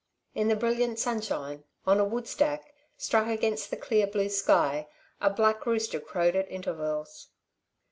In the brilliant sunshine, on a wood stack, struck against the clear blue sky, a black rooster crowed at intervals.